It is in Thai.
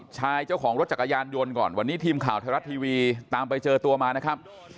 ชายเจ้าของรถจักรยานยนต์ก่อนวันนี้ทีมข่าวไทยรัฐทีวีตามไปเจอตัวมานะครับ